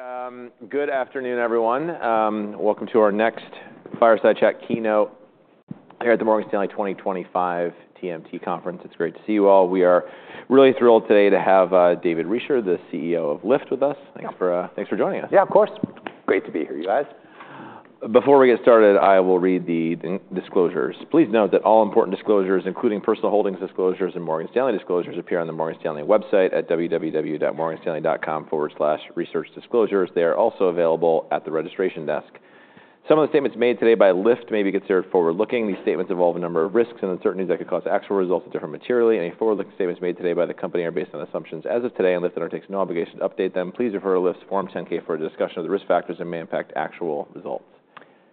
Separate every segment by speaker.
Speaker 1: All right. Good afternoon, everyone. Welcome to our next Fireside Chat keynote here at the Morgan Stanley 2025 TMT Conference. It's great to see you all. We are really thrilled today to have David Risher, the CEO of Lyft, with us. Thanks for joining us.
Speaker 2: Yeah, of course. Great to be here, you guys.
Speaker 1: Before we get started, I will read the disclosures. Please note that all important disclosures, including personal holdings disclosures and Morgan Stanley disclosures, appear on the Morgan Stanley website at www.morganstanley.com/researchdisclosures. They are also available at the registration desk. Some of the statements made today by Lyft may be considered forward-looking. These statements involve a number of risks and uncertainties that could cause actual results to differ materially. Any forward-looking statements made today by the company are based on assumptions as of today, and Lyft undertakes no obligation to update them. Please refer to Lyft's Form 10-K for a discussion of the risk factors that may impact actual results.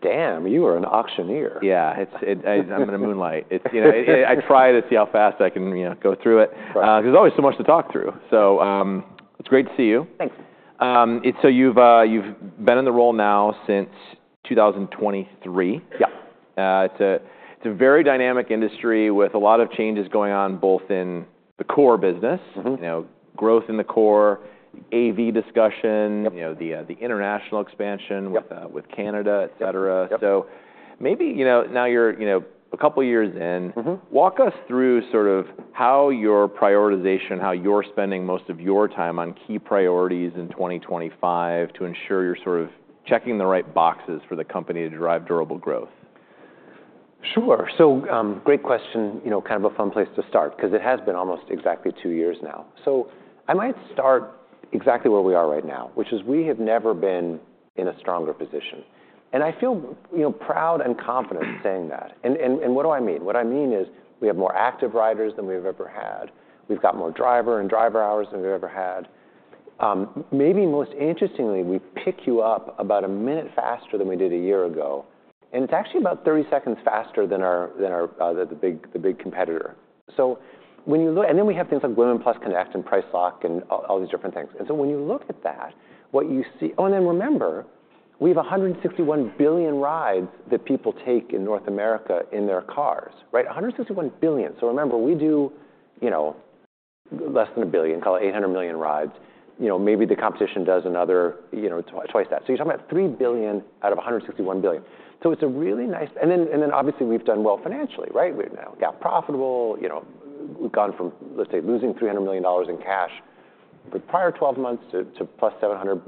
Speaker 2: Damn, you are an auctioneer.
Speaker 1: Yeah, I'm in the limelight. I try to see how fast I can go through it because there's always so much to talk through. So it's great to see you.
Speaker 2: Thanks.
Speaker 1: You've been in the role now since 2023.
Speaker 2: Yeah.
Speaker 1: It's a very dynamic industry with a lot of changes going on, both in the core business, growth in the core, AV discussion, the international expansion with Canada, et cetera, so maybe now you're a couple of years in. Walk us through sort of how your prioritization, how you're spending most of your time on key priorities in 2025 to ensure you're sort of checking the right boxes for the company to drive durable growth.
Speaker 2: Sure. So great question, kind of a fun place to start because it has been almost exactly two years now. So I might start exactly where we are right now, which is we have never been in a stronger position, and I feel proud and confident saying that. And what do I mean? What I mean is we have more active riders than we've ever had. We've got more driver and driver hours than we've ever had. Maybe most interestingly, we pick you up about a minute faster than we did a year ago. And it's actually about 30 seconds faster than the big competitor. So when you look at, and then we have things like Women+ Connect and Price Lock and all these different things. And so when you look at that, what you see. Oh, and then remember, we have 161 billion rides that people take in North America in their cars, right? 161 billion. So remember, we do less than a billion, call it 800 million rides. Maybe the competition does another twice that. So you're talking about 3 billion out of 161 billion. So it's a really nice, and then obviously we've done well financially, right? We've got profitable. We've gone from, let's say, losing $300 million in cash for the prior 12 months to +$760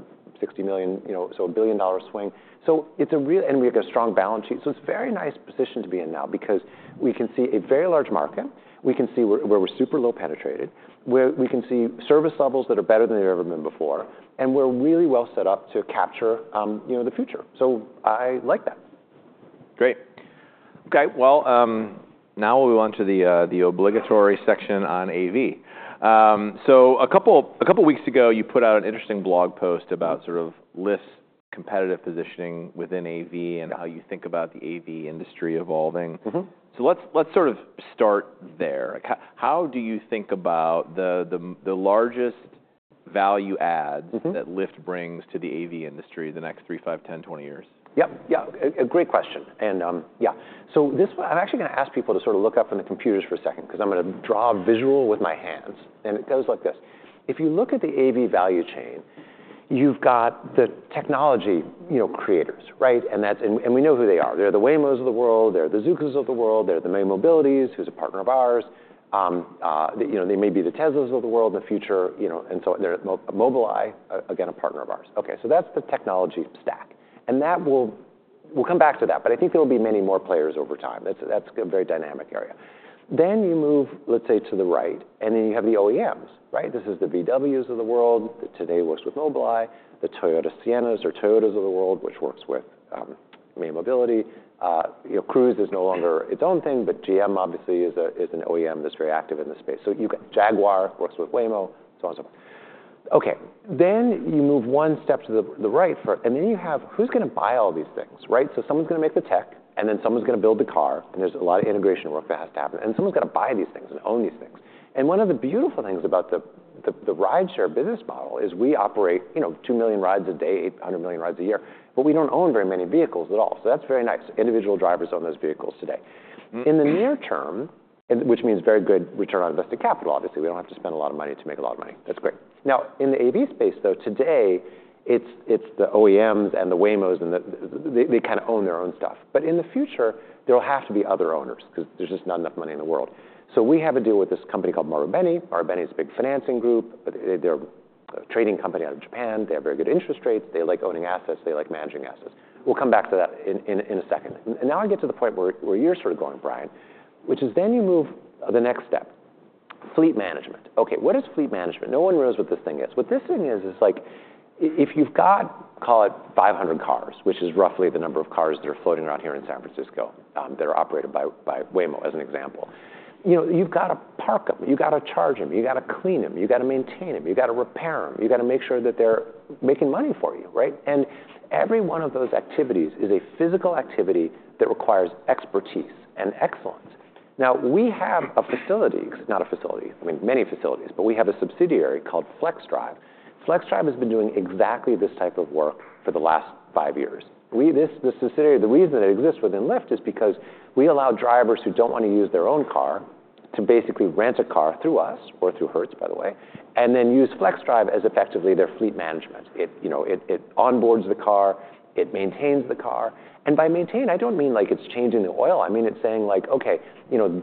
Speaker 2: million, so a $1 billion swing. And we've got a strong balance sheet. So it's a very nice position to be in now because we can see a very large market. We can see where we're super low penetrated. We can see service levels that are better than they've ever been before. We're really well set up to capture the future. I like that.
Speaker 1: Great. Okay. Well, now we'll move on to the obligatory section on AV. So a couple of weeks ago, you put out an interesting blog post about sort of Lyft's competitive positioning within AV and how you think about the AV industry evolving. So let's sort of start there. How do you think about the largest value adds that Lyft brings to the AV industry the next three, five, 10, 20 years?
Speaker 2: Yep. Yeah. Great question, and yeah. So I'm actually going to ask people to sort of look up in the computers for a second because I'm going to draw a visual with my hands, and it goes like this. If you look at the AV value chain, you've got the technology creators, right, and we know who they are. They're the Waymos of the world. They're the Zooxes of the world. They're the May Mobilities, who's a partner of ours. They may be the Teslas of the world in the future, and so they're Mobileye, again, a partner of ours. Okay, so that's the technology stack, and we'll come back to that, but I think there will be many more players over time. That's a very dynamic area, then you move, let's say, to the right, and then you have the OEMs, right? This is the VWs of the world that today works with Mobileye, the Toyota Siennas or Toyota of the world, which works with May Mobility. Cruise is no longer its own thing, but GM obviously is an OEM that's very active in the space. So you've got Jaguar, works with Waymo, so on and so forth. Okay. Then you move one step to the right, and then you have who's going to buy all these things, right, so someone's going to make the tech, and then someone's going to build the car. And there's a lot of integration work that has to happen, and someone's got to buy these things and own these things. And one of the beautiful things about the rideshare business model is we operate 2 million rides a day, 800 million rides a year. But we don't own very many vehicles at all. So that's very nice. Individual drivers own those vehicles today. In the near term, which means very good return on invested capital, obviously, we don't have to spend a lot of money to make a lot of money. That's great. Now, in the AV space, though, today, it's the OEMs and the Waymo, and they kind of own their own stuff. But in the future, there will have to be other owners because there's just not enough money in the world. So we have a deal with this company called Marubeni. Marubeni is a big financing group. They're a trading company out of Japan. They have very good interest rates. They like owning assets. They like managing assets. We'll come back to that in a second. And now I get to the point where you're sort of going, Brian, which is then you move the next step, fleet management. Okay. What is fleet management? No one knows what this thing is. What this thing is, is like if you've got, call it, 500 cars, which is roughly the number of cars that are floating around here in San Francisco that are operated by Waymo, as an example, you've got to park them. You've got to charge them. You've got to clean them. You've got to maintain them. You've got to repair them. You've got to make sure that they're making money for you, right? And every one of those activities is a physical activity that requires expertise and excellence. Now, we have a facility, not a facility, I mean, many facilities, but we have a subsidiary called Flexdrive. Flexdrive has been doing exactly this type of work for the last five years. The reason it exists within Lyft is because we allow drivers who don't want to use their own car to basically rent a car through us, or through Hertz, by the way, and then use Flexdrive as effectively their fleet management. It onboards the car. It maintains the car. And by maintain, I don't mean like it's changing the oil. I mean it's saying like, okay,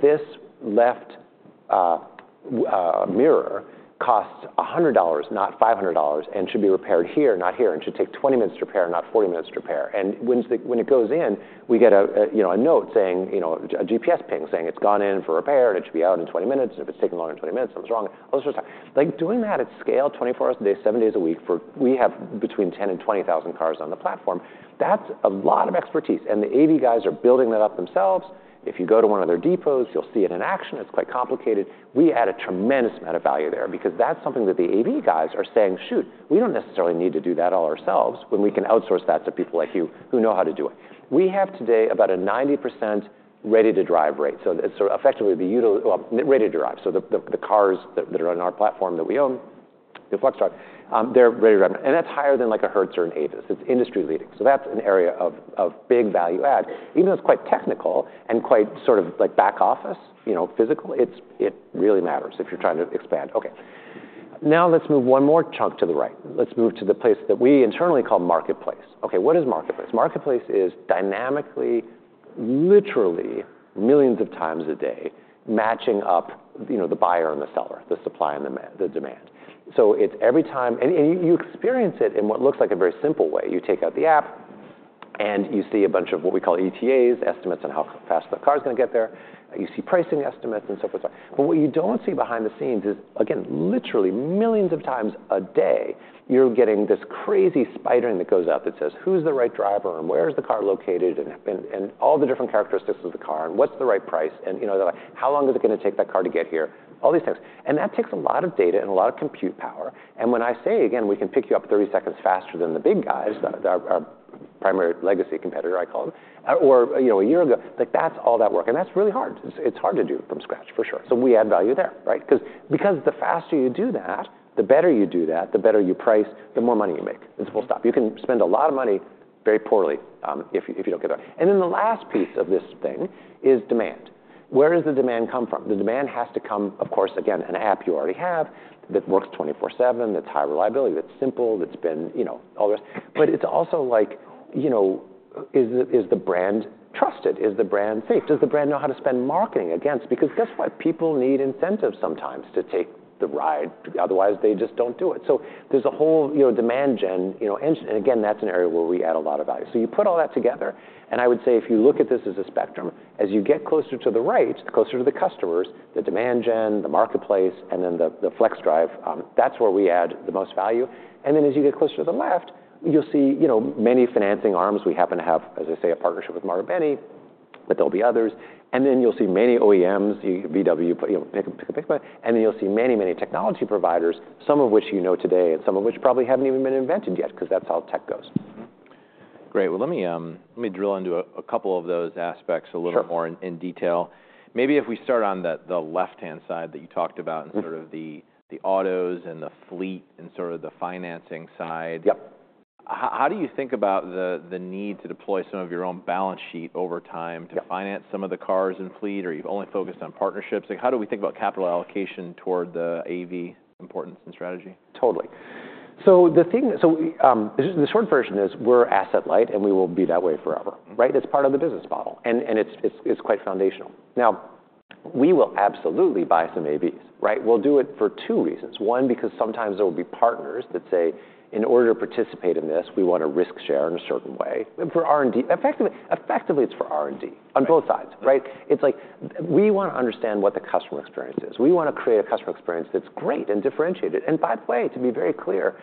Speaker 2: this left mirror costs $100, not $500, and should be repaired here, not here, and should take 20 minutes to repair, not 40 minutes to repair. And when it goes in, we get a note saying, a GPS ping saying it's gone in for repair, and it should be out in 20 minutes. And if it's taking longer than 20 minutes, something's wrong. Like doing that at scale, 24 hours a day, seven days a week, for we have between 10,000 and 20,000 cars on the platform. That's a lot of expertise. And the AV guys are building that up themselves. If you go to one of their depots, you'll see it in action. It's quite complicated. We add a tremendous amount of value there because that's something that the AV guys are saying, shoot, we don't necessarily need to do that all ourselves when we can outsource that to people like you who know how to do it. We have today about a 90% ready-to-drive rate. So effectively, ready-to-drive. So the cars that are on our platform that we own, the Flexdrive, they're ready-to-drive. And that's higher than like a Hertz or an Avis. It's industry-leading. So that's an area of big value add. Even though it's quite technical and quite sort of like back office, physical, it really matters if you're trying to expand. Okay. Now let's move one more chunk to the right. Let's move to the place that we internally call Marketplace. Okay. What is Marketplace? Marketplace is dynamically, literally millions of times a day, matching up the buyer and the seller, the supply and the demand. So it's every time, and you experience it in what looks like a very simple way. You take out the app, and you see a bunch of what we call ETAs, estimates on how fast the car is going to get there. You see pricing estimates and so forth. But what you don't see behind the scenes is, again, literally millions of times a day, you're getting this crazy spidering that goes out that says, who's the right driver, and where is the car located, and all the different characteristics of the car, and what's the right price, and how long is it going to take that car to get here, all these things. And that takes a lot of data and a lot of compute power. And when I say, again, we can pick you up 30 seconds faster than the big guys, our primary legacy competitor, I call them, or a year ago, that's all that work. And that's really hard. It's hard to do from scratch, for sure. So we add value there, right? Because the faster you do that, the better you do that, the better you price, the more money you make. It's full stop. You can spend a lot of money very poorly if you don't get that. And then the last piece of this thing is demand. Where does the demand come from? The demand has to come, of course, again, an app you already have that works 24/7, that's high reliability, that's simple, that's been all the rest. But it's also like, is the brand trusted? Is the brand safe? Does the brand know how to spend marketing against? Because guess what? People need incentives sometimes to take the ride. Otherwise, they just don't do it. So there's a whole demand gen engine. And again, that's an area where we add a lot of value. So you put all that together. I would say if you look at this as a spectrum, as you get closer to the right, closer to the customers, the demand gen, the marketplace, and then the Flexdrive, that's where we add the most value. As you get closer to the left, you'll see many financing arms. We happen to have, as I say, a partnership with Marubeni, but there'll be others. You'll see many OEMs, VW, pick a bike. You'll see many, many technology providers, some of which you know today and some of which probably haven't even been invented yet because that's how tech goes.
Speaker 1: Great. Well, let me drill into a couple of those aspects a little more in detail. Maybe if we start on the left-hand side that you talked about and sort of the autos and the fleet and sort of the financing side. How do you think about the need to deploy some of your own balance sheet over time to finance some of the cars and fleet, or you've only focused on partnerships? How do we think about capital allocation toward the AV importance and strategy?
Speaker 2: Totally. So the short version is we're asset light, and we will be that way forever, right? It's part of the business model, and it's quite foundational. Now, we will absolutely buy some AVs, right? We'll do it for two reasons. One, because sometimes there will be partners that say, in order to participate in this, we want to risk share in a certain way. Effectively, it's for R&D on both sides, right? It's like we want to understand what the customer experience is. We want to create a customer experience that's great and differentiated. And by the way, to be very clear,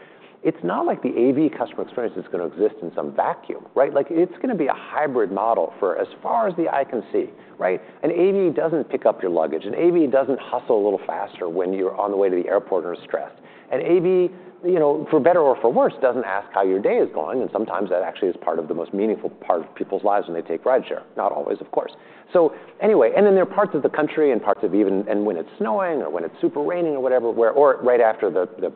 Speaker 2: it's not like the AV customer experience is going to exist in some vacuum, right? It's going to be a hybrid model for as far as the eye can see, right? An AV doesn't pick up your luggage. An AV doesn't hustle a little faster when you're on the way to the airport and are stressed. An AV, for better or for worse, doesn't ask how your day is going. And sometimes that actually is part of the most meaningful part of people's lives when they take rideshare. Not always, of course. So anyway, and then there are parts of the country and parts of even, and when it's snowing or when it's super raining or whatever, or right after the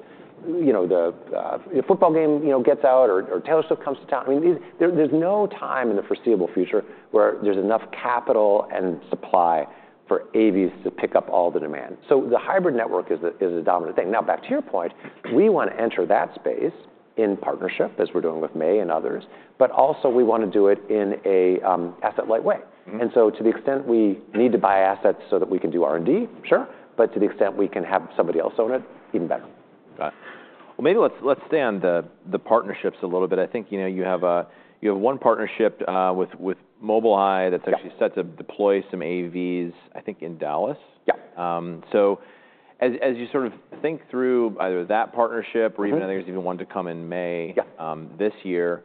Speaker 2: football game gets out or Taylor Swift comes to town. I mean, there's no time in the foreseeable future where there's enough capital and supply for AVs to pick up all the demand. So the hybrid network is a dominant thing. Now, back to your point, we want to enter that space in partnership as we're doing with May and others, but also we want to do it in an asset-light way. And so to the extent we need to buy assets so that we can do R&D, sure, but to the extent we can have somebody else own it, even better.
Speaker 1: Got it. Well, maybe let's stay on the partnerships a little bit. I think you have one partnership with Mobileye that's actually set to deploy some AVs, I think, in Dallas. So as you sort of think through either that partnership or even I think there's even one to come in May this year,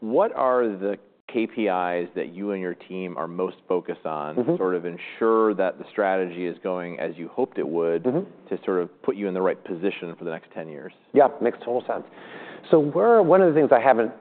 Speaker 1: what are the KPIs that you and your team are most focused on to sort of ensure that the strategy is going as you hoped it would to sort of put you in the right position for the next 10 years?
Speaker 2: Yeah. Makes total sense. So one of the things I haven't,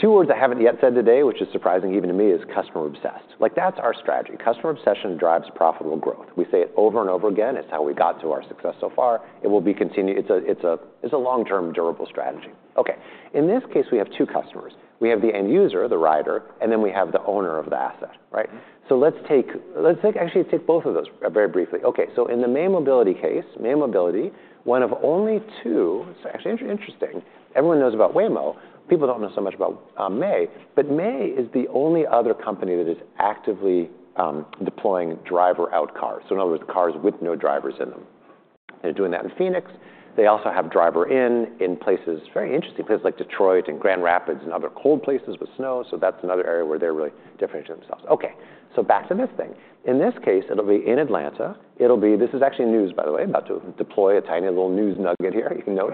Speaker 2: two words I haven't yet said today, which is surprising even to me, is customer obsessed. That's our strategy. Customer obsession drives profitable growth. We say it over and over again. It's how we got to our success so far. It will be continued. It's a long-term, durable strategy. Okay. In this case, we have two customers. We have the end user, the rider, and then we have the owner of the asset, right? So let's actually take both of those very briefly. Okay. So in the May Mobility case, May Mobility, one of only two, it's actually interesting. Everyone knows about Waymo. People don't know so much about May. But May is the only other company that is actively deploying driver-out cars. So in other words, cars with no drivers in them. They're doing that in Phoenix. They also have driver-in in places, very interesting places like Detroit and Grand Rapids and other cold places with snow. So that's another area where they're really differentiating themselves. Okay. So back to this thing. In this case, it'll be in Atlanta. This is actually news, by the way, about to deploy a tiny little news nugget here. You can note.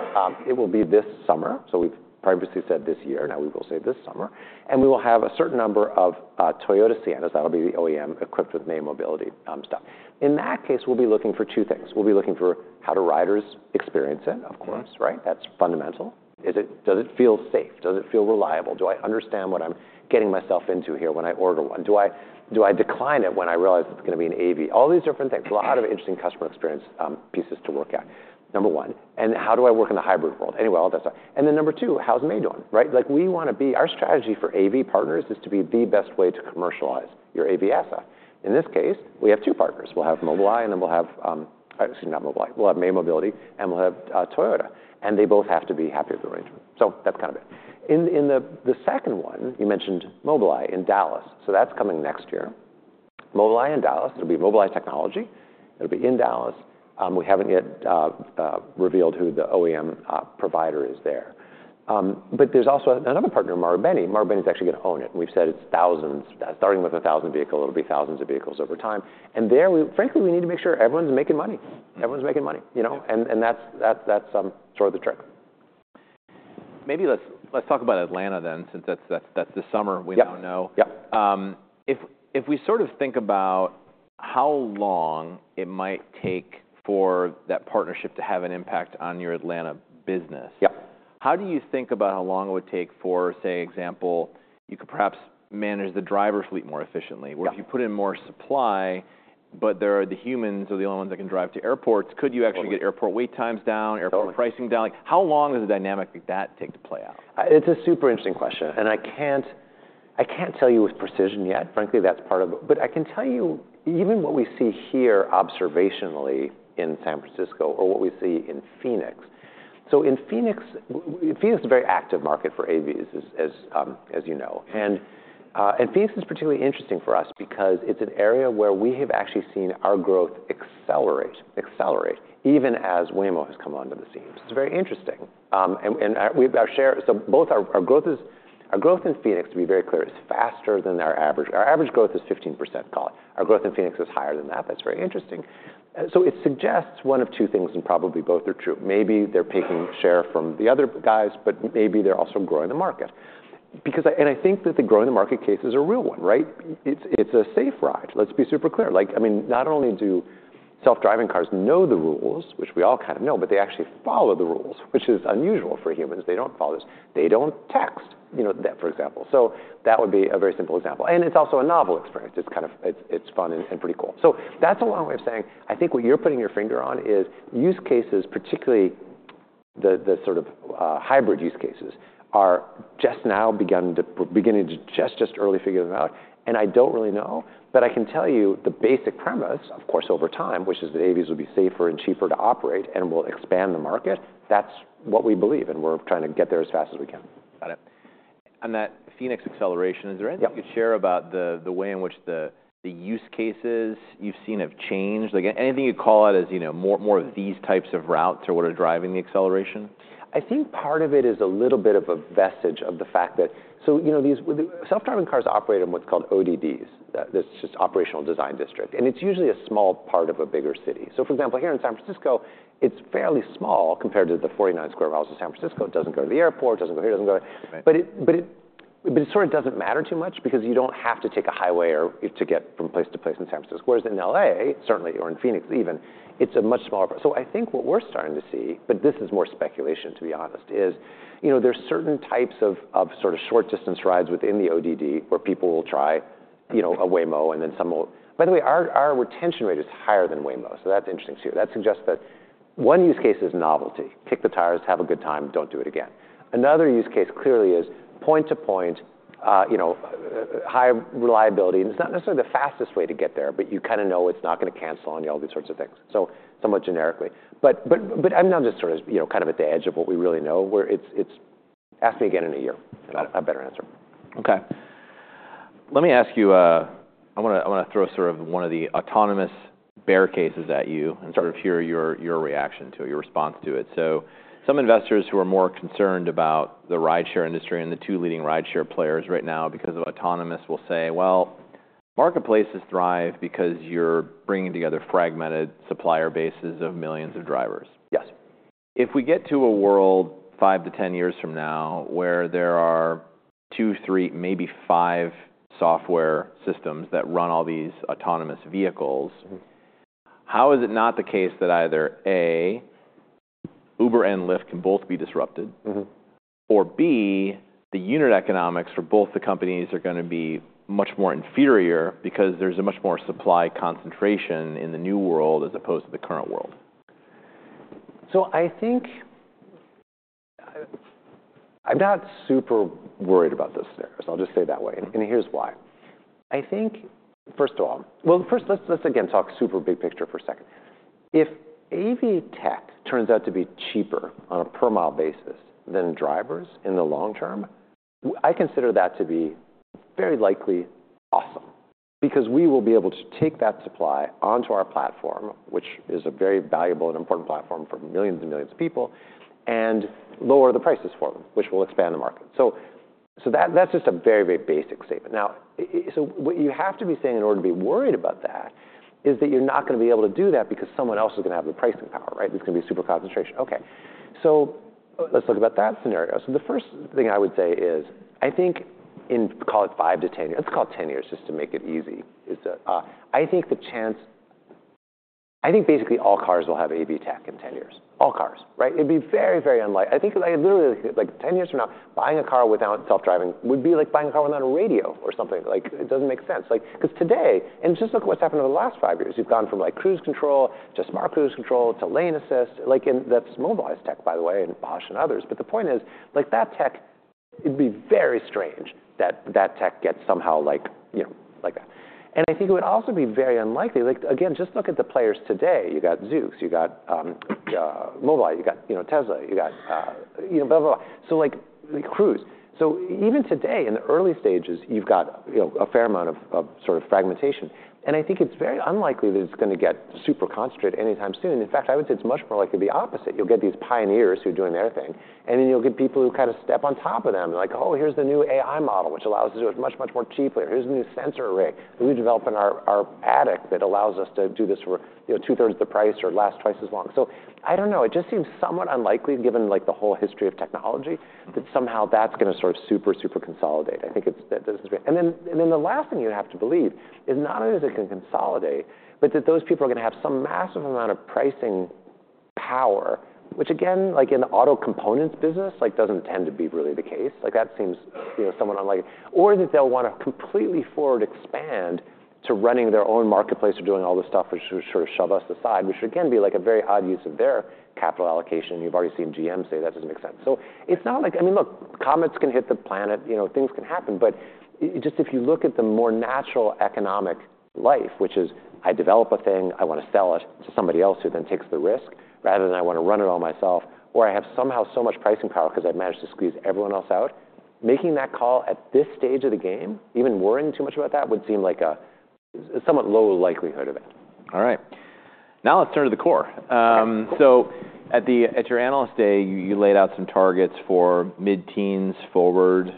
Speaker 2: It will be this summer. So we've previously said this year. Now we will say this summer. And we will have a certain number of Toyota Siennas. That'll be the OEM equipped with May Mobility stuff. In that case, we'll be looking for two things. We'll be looking for how do riders experience it, of course, right? That's fundamental. Does it feel safe? Does it feel reliable? Do I understand what I'm getting myself into here when I order one? Do I decline it when I realize it's going to be an AV? All these different things. A lot of interesting customer experience pieces to work at. Number one. And how do I work in the hybrid world? Anyway, all that stuff. And then number two, how's May doing, right? We want to be, our strategy for AV partners is to be the best way to commercialize your AV asset. In this case, we have two partners. We'll have Mobileye, and then we'll have, excuse me, not Mobileye. We'll have May Mobility, and we'll have Toyota. And they both have to be happy with the arrangement. So that's kind of it. In the second one, you mentioned Mobileye in Dallas. So that's coming next year. Mobileye in Dallas. It'll be Mobileye technology. It'll be in Dallas. We haven't yet revealed who the OEM provider is there. But there's also another partner, Marubeni. Marubeni is actually going to own it. And we've said it's thousands, starting with a thousand vehicles. It'll be thousands of vehicles over time. And there, frankly, we need to make sure everyone's making money. Everyone's making money. And that's sort of the trick.
Speaker 1: Maybe let's talk about Atlanta then, since that's the Sienna we now know. If we sort of think about how long it might take for that partnership to have an impact on your Atlanta business, how do you think about how long it would take for, say, example, you could perhaps manage the driver fleet more efficiently? If you put in more supply, but the humans are the only ones that can drive to airports, could you actually get airport wait times down, airport pricing down? How long does the dynamic that take to play out?
Speaker 2: It's a super interesting question. And I can't tell you with precision yet. Frankly, that's part of it. But I can tell you even what we see here observationally in San Francisco or what we see in Phoenix. So in Phoenix, Phoenix is a very active market for AVs, as you know. And Phoenix is particularly interesting for us because it's an area where we have actually seen our growth accelerate even as Waymo has come onto the scene. So it's very interesting. And we've got to share. So both our growth in Phoenix, to be very clear, is faster than our average. Our average growth is 15%, call it. Our growth in Phoenix is higher than that. That's very interesting. So it suggests one of two things, and probably both are true. Maybe they're taking share from the other guys, but maybe they're also growing the market. I think that the growing market case is a real one, right? It's a safe ride. Let's be super clear. I mean, not only do self-driving cars know the rules, which we all kind of know, but they actually follow the rules, which is unusual for humans. They don't follow this. They don't text, for example. So that would be a very simple example. It's also a novel experience. It's kind of fun and pretty cool. That's a long way of saying, I think what you're putting your finger on is use cases, particularly the sort of hybrid use cases, are just now beginning to just figure out. I don't really know, but I can tell you the basic premise, of course, over time, which is that AVs will be safer and cheaper to operate and will expand the market. That's what we believe, and we're trying to get there as fast as we can.
Speaker 1: Got it. And that Phoenix acceleration, is there anything you'd share about the way in which the use cases you've seen have changed? Anything you'd call it as more of these types of routes or what are driving the acceleration?
Speaker 2: I think part of it is a little bit of a vestige of the fact that, so self-driving cars operate in what's called ODDs. That's just Operational Design Domain, and it's usually a small part of a bigger city, so for example, here in San Francisco, it's fairly small compared to the 49 sq mi of San Francisco. It doesn't go to the airport, doesn't go here, doesn't go there, but it sort of doesn't matter too much because you don't have to take a highway to get from place to place in San Francisco. Whereas in LA, certainly, or in Phoenix even, it's a much smaller part. So I think what we're starting to see, but this is more speculation, to be honest, is there's certain types of sort of short distance rides within the ODD where people will try a Waymo and then some will, by the way, our retention rate is higher than Waymo. So that's interesting too. That suggests that one use case is novelty. Kick the tires, have a good time, don't do it again. Another use case clearly is point-to-point, high reliability. And it's not necessarily the fastest way to get there, but you kind of know it's not going to cancel on you, all these sorts of things. So somewhat generically. But I'm now just sort of kind of at the edge of what we really know where it's, ask me again in a year, a better answer.
Speaker 1: Okay. Let me ask you, I want to throw sort of one of the autonomous bear cases at you and sort of hear your reaction to it, your response to it. So some investors who are more concerned about the rideshare industry and the two leading rideshare players right now because of autonomous will say, well, marketplaces thrive because you're bringing together fragmented supplier bases of millions of drivers.
Speaker 2: Yes.
Speaker 1: If we get to a world 5-10 years from now where there are two, three, maybe five software systems that run all these autonomous vehicles, how is it not the case that either A, Uber and Lyft can both be disrupted, or B, the unit economics for both the companies are going to be much more inferior because there's a much more supply concentration in the new world as opposed to the current world?
Speaker 2: So I think I'm not super worried about those scenarios. I'll just say it that way. And here's why. I think, first of all, well, first, let's again talk super big picture for a second. If AV tech turns out to be cheaper on a per-mile basis than drivers in the long term, I consider that to be very likely awesome because we will be able to take that supply onto our platform, which is a very valuable and important platform for millions and millions of people, and lower the prices for them, which will expand the market. So that's just a very, very basic statement. Now, so what you have to be saying in order to be worried about that is that you're not going to be able to do that because someone else is going to have the pricing power, right? There's going to be super concentration. Okay. So let's look at that scenario. So the first thing I would say is I think in, call it 5-10 years, let's call it 10 years just to make it easy, is that I think the chance, I think basically all cars will have AV tech in 10 years. All cars, right? It'd be very, very unlikely. I think literally like 10 years from now, buying a car without self-driving would be like buying a car without a radio or something. It doesn't make sense. Because today, and just look at what's happened over the last five years. You've gone from cruise control to smart cruise control to lane assist. That's Mobileye's tech, by the way, and Bosch and others. But the point is that tech, it'd be very strange that that tech gets somehow like that. And I think it would also be very unlikely. Again, just look at the players today. You got Zoox, you got Mobileye, you got Tesla, you got blah, blah, blah. So, Cruise. So even today in the early stages, you've got a fair amount of sort of fragmentation. And I think it's very unlikely that it's going to get super concentrated anytime soon. In fact, I would say it's much more likely the opposite. You'll get these pioneers who are doing their thing, and then you'll get people who kind of step on top of them like, oh, here's the new AI model, which allows us to do it much, much more cheaply. Or here's the new sensor array. We're developing our ADAS that allows us to do this for 2/3 the price or last twice as long. So I don't know. It just seems somewhat unlikely given the whole history of technology that somehow that's going to sort of super, super consolidate. I think it's this is great. And then the last thing you have to believe is not only that it can consolidate, but that those people are going to have some massive amount of pricing power, which again, in the auto components business, doesn't tend to be really the case. That seems somewhat unlikely. Or that they'll want to completely forward expand to running their own marketplace or doing all this stuff, which will sort of shove us aside, which would again be like a very odd use of their capital allocation. You've already seen GM say that doesn't make sense. So it's not like, I mean, look, comets can hit the planet. Things can happen. But just, if you look at the more natural economic life, which is I develop a thing, I want to sell it to somebody else who then takes the risk, rather than I want to run it all myself, or I have somehow so much pricing power because I've managed to squeeze everyone else out, making that call at this stage of the game. Even worrying too much about that would seem like a somewhat low likelihood of it.
Speaker 1: All right. Now let's turn to the core. So at your Analyst Day, you laid out some targets for mid-teens forward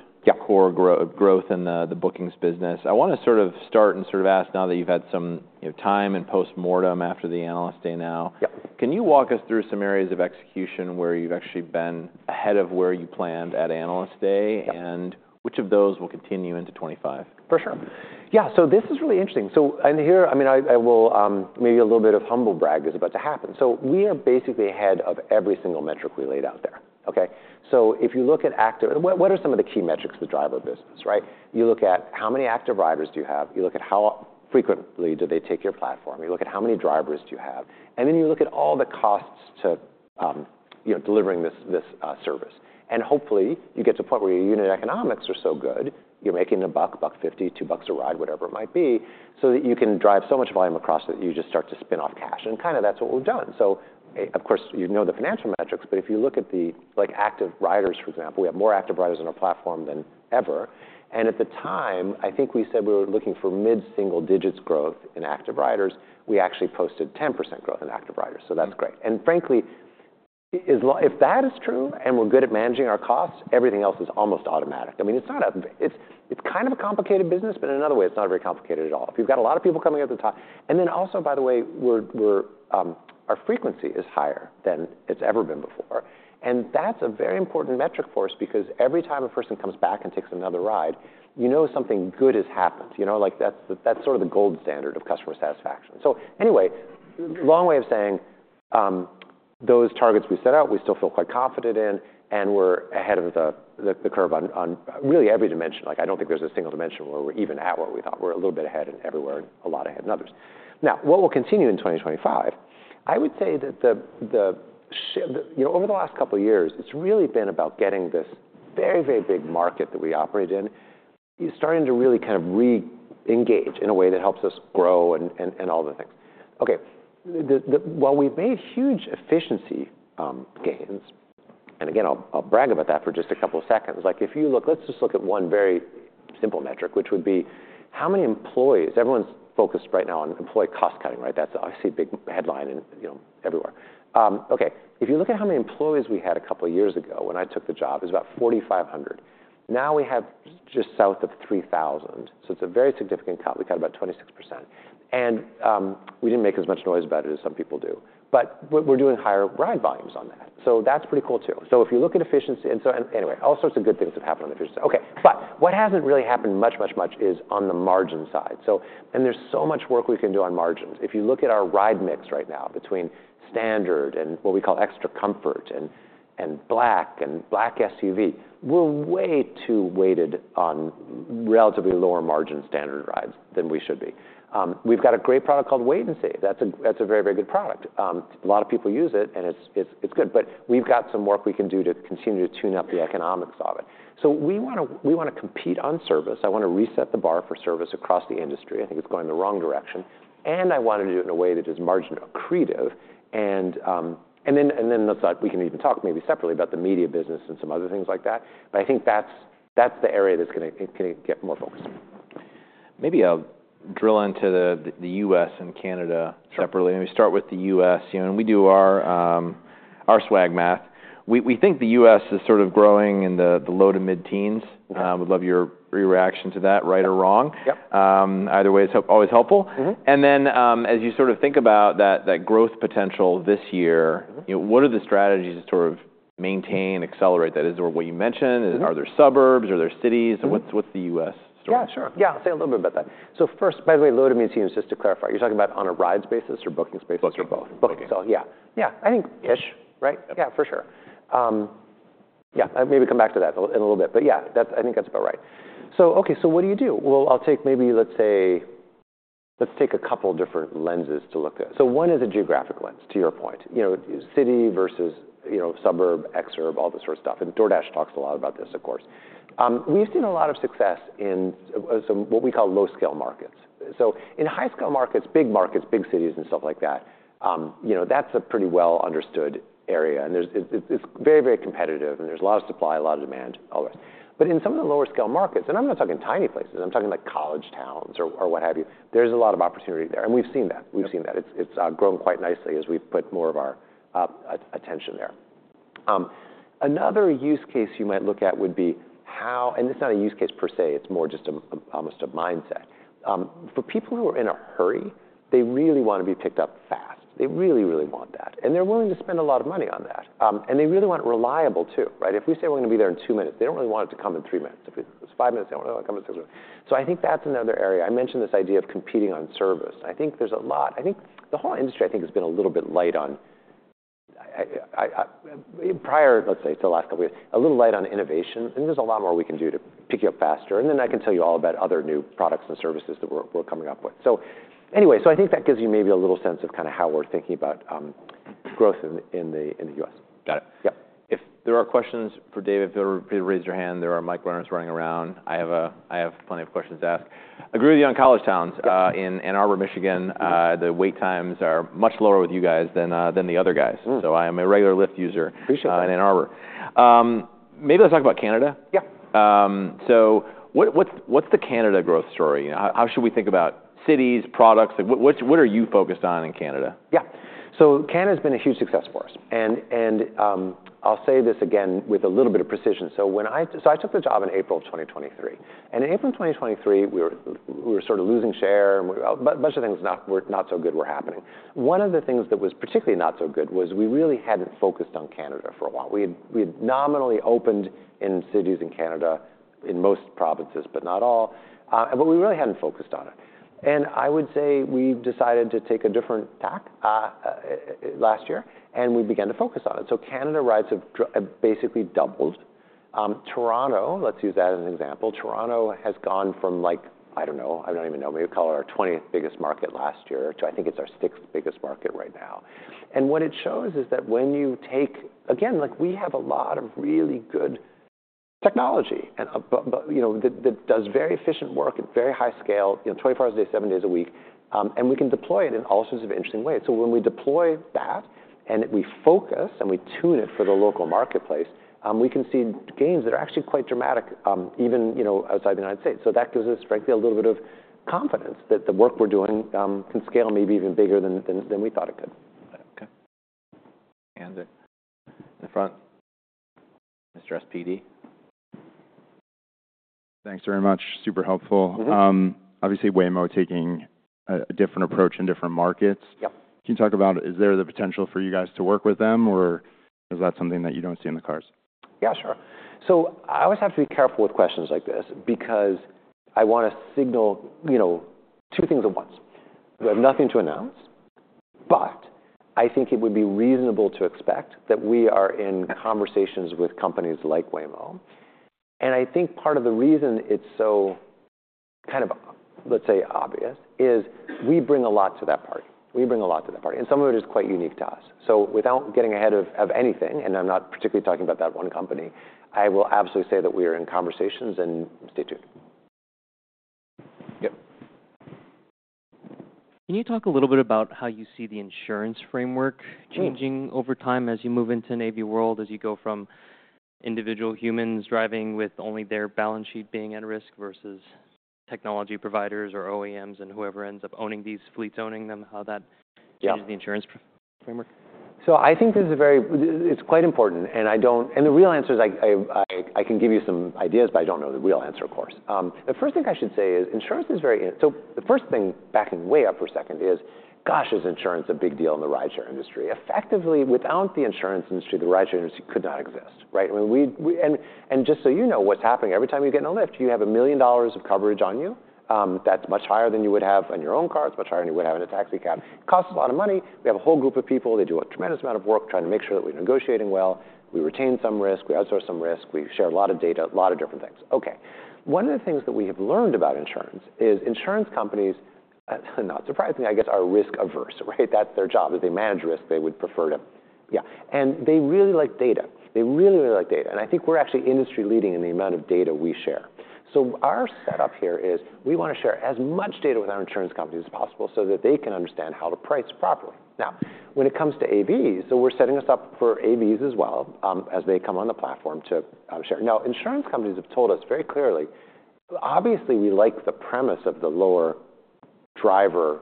Speaker 1: core growth in the bookings business. I want to sort of start and sort of ask now that you've had some time in post-mortem after the Analyst Day now, can you walk us through some areas of execution where you've actually been ahead of where you planned at Analyst Day and which of those will continue into 2025?
Speaker 2: For sure. Yeah. So this is really interesting. So here, I mean, I will maybe a little bit of humble brag is about to happen. So we are basically ahead of every single metric we laid out there. Okay? So if you look at active, what are some of the key metrics of the driver business, right? You look at how many active riders do you have. You look at how frequently do they take your platform. You look at how many drivers do you have. And then you look at all the costs to delivering this service. And hopefully, you get to a point where your unit economics are so good, you're making $1, $1.50, $2 a ride, whatever it might be, so that you can drive so much volume across that you just start to spin off cash. And kind of that's what we've done. So, of course, you know the financial metrics, but if you look at the active riders, for example, we have more active riders on our platform than ever. And at the time, I think we said we were looking for mid-single digits growth in active riders. We actually posted 10% growth in active riders. So that's great. And frankly, if that is true and we're good at managing our costs, everything else is almost automatic. I mean, it's not a, it's kind of a complicated business, but in another way, it's not very complicated at all. If you've got a lot of people coming at the time. And then also, by the way, our frequency is higher than it's ever been before. And that's a very important metric for us because every time a person comes back and takes another ride, you know something good has happened. That's sort of the gold standard of customer satisfaction. So anyway, long way of saying those targets we set out, we still feel quite confident in, and we're ahead of the curve on really every dimension. I don't think there's a single dimension where we're even at what we thought. We're a little bit ahead in everywhere and a lot ahead in others. Now, what will continue in 2025, I would say that over the last couple of years, it's really been about getting this very, very big market that we operate in, starting to really kind of re-engage in a way that helps us grow and all the things. Okay. While we've made huge efficiency gains, and again, I'll brag about that for just a couple of seconds. If you look, let's just look at one very simple metric, which would be how many employees. Everyone's focused right now on employee cost cutting, right? That's obviously a big headline everywhere. Okay. If you look at how many employees we had a couple of years ago when I took the job, it was about 4,500. Now we have just south of 3,000. So it's a very significant cut. We cut about 26%. And we didn't make as much noise about it as some people do. But we're doing higher ride volumes on that. So that's pretty cool too. So if you look at efficiency, and so anyway, all sorts of good things have happened on efficiency. Okay. But what hasn't really happened much, much, much is on the margin side. And there's so much work we can do on margins. If you look at our ride mix right now between Standard and what we call Extra Comfort and Black and Black SUV, we're way too weighted on relatively lower margin Standard rides than we should be. We've got a great product called Wait & Save. That's a very, very good product. A lot of people use it, and it's good. But we've got some work we can do to continue to tune up the economics of it. So we want to compete on service. I want to reset the bar for service across the industry. I think it's going the wrong direction. And I want to do it in a way that is margin accretive. And then we can even talk maybe separately about the Media business and some other things like that. But I think that's the area that's going to get more focus.
Speaker 1: Maybe I'll drill into the U.S. and Canada separately. Let me start with the U.S. When we do our swag math, we think the U.S. is sort of growing in the low to mid-teens. We'd love your reaction to that, right or wrong. Either way is always helpful. And then as you sort of think about that growth potential this year, what are the strategies to sort of maintain and accelerate that? Is there what you mentioned? Are there suburbs? Are there cities? What's the U.S. story?
Speaker 2: Yeah, sure. Yeah, I'll say a little bit about that. So first, by the way, low to mid-teens, just to clarify, you're talking about on a rides basis or bookings basis?
Speaker 1: Bookings.
Speaker 2: Bookings. So, yeah. Yeah, I think-ish, right? Yeah, for sure. Yeah, maybe come back to that in a little bit. But yeah, I think that's about right. So, okay, so what do you do? Well, I'll take maybe, let's say, let's take a couple of different lenses to look at. So, one is a geographic lens, to your point. City versus suburb, exurb, all this sort of stuff. And DoorDash talks a lot about this, of course. We've seen a lot of success in what we call low-scale markets. So, in high-scale markets, big markets, big cities and stuff like that, that's a pretty well-understood area. And it's very, very competitive, and there's a lot of supply, a lot of demand, always. But in some of the lower-scale markets, and I'm not talking tiny places, I'm talking like college towns or what have you, there's a lot of opportunity there. We've seen that. We've seen that. It's grown quite nicely as we've put more of our attention there. Another use case you might look at would be how, and it's not a use case per se, it's more just almost a mindset. For people who are in a hurry, they really want to be picked up fast. They really, really want that. And they're willing to spend a lot of money on that. And they really want it reliable too, right? If we say we're going to be there in two minutes, they don't really want it to come in three minutes. If it's five minutes, they don't really want it to come in six minutes. So I think that's another area. I mentioned this idea of competing on service. I think there's a lot. I think the whole industry, I think, has been a little bit light on, prior to the last couple of years, a little light on innovation, and there's a lot more we can do to pick you up faster, and then I can tell you all about other new products and services that we're coming up with, so anyway, so I think that gives you maybe a little sense of kind of how we're thinking about growth in the U.S.
Speaker 1: Got it.
Speaker 2: Yep.
Speaker 1: If there are questions for David, feel free to raise your hand. There are mic runners running around. I have plenty of questions to ask. I agree with you on college towns. In Ann Arbor, Michigan, the wait times are much lower with you guys than the other guys. So I am a regular Lyft user in Ann Arbor. Maybe let's talk about Canada.
Speaker 2: Yeah.
Speaker 1: So what's the Canada growth story? How should we think about cities, products? What are you focused on in Canada?
Speaker 2: Yeah. So Canada has been a huge success for us. And I'll say this again with a little bit of precision. So I took the job in April of 2023. And in April of 2023, we were sort of losing share. A bunch of things were not so good were happening. One of the things that was particularly not so good was we really hadn't focused on Canada for a while. We had nominally opened in cities in Canada, in most provinces, but not all. But we really hadn't focused on it. And I would say we decided to take a different tack last year, and we began to focus on it. So Canada rides have basically doubled. Toronto, let's use that as an example. Toronto has gone from like, I don't know, I don't even know, maybe call it our 20th biggest market last year to I think it's our 6th biggest market right now, and what it shows is that when you take, again, we have a lot of really good technology that does very efficient work at very high scale, 24 hours a day, seven days a week, and we can deploy it in all sorts of interesting ways, so when we deploy that and we focus and we tune it for the local marketplace, we can see gains that are actually quite dramatic even outside the United States, so that gives us frankly a little bit of confidence that the work we're doing can scale maybe even bigger than we thought it could.
Speaker 1: Okay, and in the front, Mr. SPD.
Speaker 3: Thanks very much. Super helpful. Obviously, Waymo taking a different approach in different markets. Can you talk about, is there the potential for you guys to work with them, or is that something that you don't see in the cars?
Speaker 2: Yeah, sure. So I always have to be careful with questions like this because I want to signal two things at once. We have nothing to announce, but I think it would be reasonable to expect that we are in conversations with companies like Waymo. And I think part of the reason it's so kind of, let's say, obvious is we bring a lot to that party. We bring a lot to that party. And some of it is quite unique to us. So without getting ahead of anything, and I'm not particularly talking about that one company, I will absolutely say that we are in conversations and stay tuned.
Speaker 1: Yep.
Speaker 4: Can you talk a little bit about how you see the insurance framework changing over time as you move into AV world, as you go from individual humans driving with only their balance sheet being at risk versus technology providers or OEMs and whoever ends up owning these fleets owning them, how that changes the insurance framework?
Speaker 2: I think this is a very—it's quite important. The real answer is I can give you some ideas, but I don't know the real answer, of course. The first thing I should say is insurance is very, so the first thing backing way up for a second is, gosh, is insurance a big deal in the rideshare industry? Effectively, without the insurance industry, the rideshare industry could not exist, right? Just so you know what's happening, every time you get in a Lyft, you have $1 million of coverage on you. That's much higher than you would have in your own car. It's much higher than you would have in a taxi cab. It costs a lot of money. We have a whole group of people. They do a tremendous amount of work trying to make sure that we're negotiating well. We retain some risk. We outsource some risk. We share a lot of data, a lot of different things. Okay. One of the things that we have learned about insurance is insurance companies, not surprisingly, I guess, are risk averse, right? That's their job. As they manage risk, they would prefer to, yeah, and they really like data. They really, really like data, and I think we're actually industry leading in the amount of data we share. So our setup here is we want to share as much data with our insurance companies as possible so that they can understand how to price properly. Now, when it comes to AVs, so we're setting us up for AVs as well as they come on the platform to share. Now, insurance companies have told us very clearly, obviously, we like the premise of the lower driver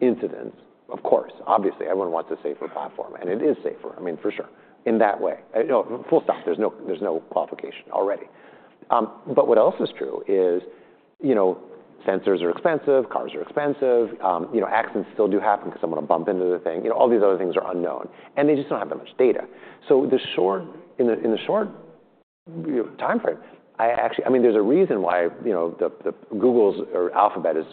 Speaker 2: incidents. Of course, obviously, everyone wants a safer platform. And it is safer, I mean, for sure, in that way. Full stop. There's no qualification already. But what else is true is sensors are expensive. Cars are expensive. Accidents still do happen because someone will bump into the thing. All these other things are unknown. And they just don't have that much data. So in the short timeframe, I mean, there's a reason why Google's or Alphabet is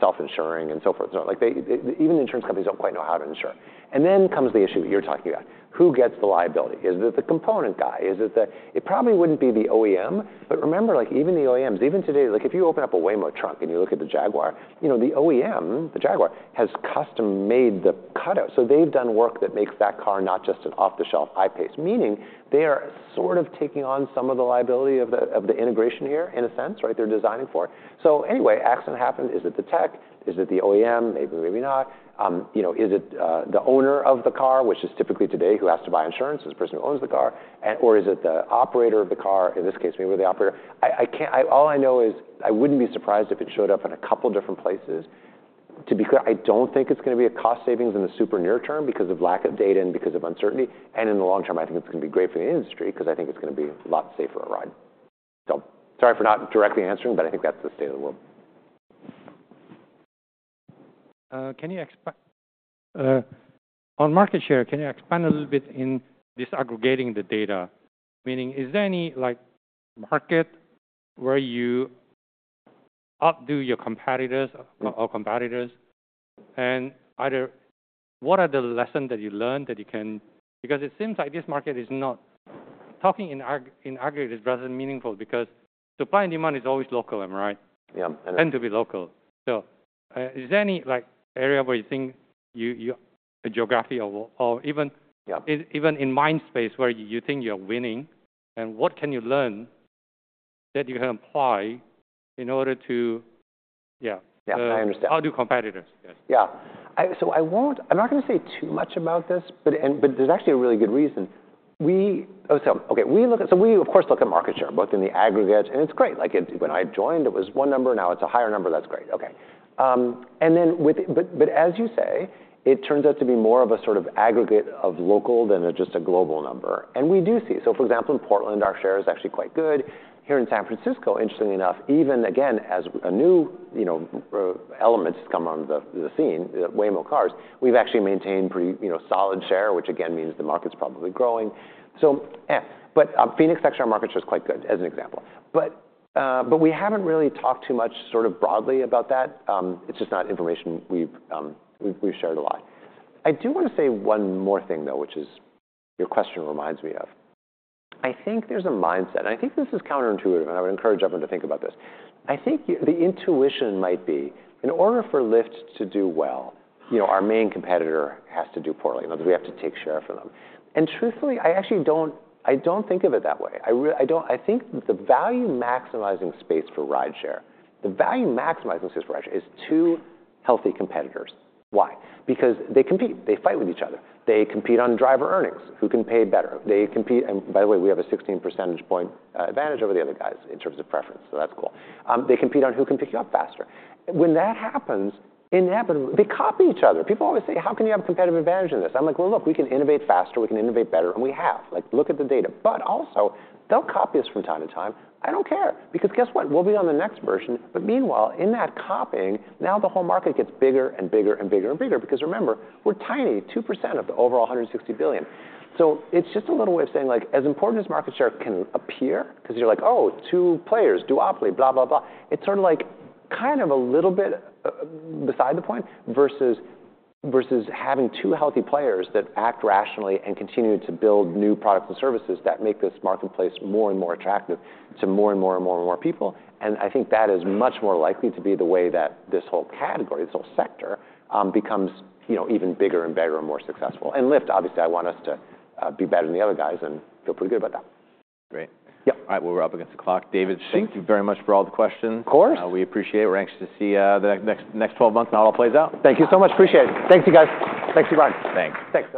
Speaker 2: self-insuring and so forth. Even the insurance companies don't quite know how to insure. And then comes the issue you're talking about. Who gets the liability? Is it the component guy? It probably wouldn't be the OEM, but remember, even the OEMs, even today, if you open up a Waymo trunk and you look at the Jaguar, the OEM, the Jaguar, has custom-made the cutout. So they've done work that makes that car not just an off-the-shelf I-PACE, meaning they are sort of taking on some of the liability of the integration here in a sense, right? They're designing for it. So anyway, accident happened. Is it the tech? Is it the OEM? Maybe, maybe not. Is it the owner of the car, which is typically today who has to buy insurance, is the person who owns the car, or is it the operator of the car? In this case, maybe the operator. All I know is I wouldn't be surprised if it showed up in a couple of different places. To be clear, I don't think it's going to be a cost savings in the super near term because of lack of data and because of uncertainty. In the long term, I think it's going to be great for the industry because I think it's going to be a lot safer a ride. So sorry for not directly answering, but I think that's the state of the world.
Speaker 5: On market share, can you expand a little bit in disaggregating the data? Meaning, is there any market where you outdo your competitors or competitors? And what are the lessons that you learned that you can? Because it seems like this market is not talking in aggregate is rather meaningful because supply and demand is always local, am I right?
Speaker 2: Yeah.
Speaker 5: Tend to be local. So is there any area where you think you have a geography or even in mind space where you think you're winning? And what can you learn that you can apply in order to, yeah.
Speaker 2: Yeah, I understand.
Speaker 5: Outdo competitors?
Speaker 2: Yeah. So I'm not going to say too much about this, but there's actually a really good reason. Okay, so we, of course, look at market share, both in the aggregate, and it's great. When I joined, it was one number. Now it's a higher number. That's great. Okay, but as you say, it turns out to be more of a sort of aggregate of local than just a global number, and we do see, so for example, in Portland, our share is actually quite good. Here in San Francisco, interestingly enough, even again, as new elements come on the scene, Waymo cars, we've actually maintained pretty solid share, which again means the market's probably growing, but Phoenix tech share market share is quite good, as an example, but we haven't really talked too much sort of broadly about that. It's just not information we've shared a lot. I do want to say one more thing, though, which is your question reminds me of. I think there's a mindset, and I think this is counterintuitive, and I would encourage everyone to think about this. I think the intuition might be, in order for Lyft to do well, our main competitor has to do poorly. We have to take share from them, and truthfully, I don't think of it that way. I think the value maximizing space for rideshare is two healthy competitors. Why? Because they compete. They fight with each other. They compete on driver earnings. Who can pay better? They compete, and by the way, we have a 16 percentage point advantage over the other guys in terms of preference. So that's cool. They compete on who can pick you up faster. When that happens, inevitably, they copy each other. People always say, "How can you have a competitive advantage in this?" I'm like, "Well, look, we can innovate faster. We can innovate better." And we have. Look at the data. But also, they'll copy us from time to time. I don't care. Because guess what? We'll be on the next version. But meanwhile, in that copying, now the whole market gets bigger and bigger and bigger and bigger because remember, we're tiny, 2% of the overall 160 billion. So it's just a little way of saying, as important as market share can appear, because you're like, "Oh, two players, duopoly, blah, blah, blah," it's sort of like kind of a little bit beside the point versus having two healthy players that act rationally and continue to build new products and services that make this marketplace more and more and more and more people. I think that is much more likely to be the way that this whole category, this whole sector becomes even bigger and better and more successful. Lyft, obviously, I want us to be better than the other guys and feel pretty good about that.
Speaker 1: Great. All right, well, we're up against the clock. David, thank you very much for all the questions.
Speaker 2: Of course.
Speaker 1: We appreciate it. We're anxious to see the next 12 months and how it all plays out.
Speaker 2: Thank you so much. Appreciate it. Thanks, you guys. Thanks for coming.
Speaker 1: Thanks.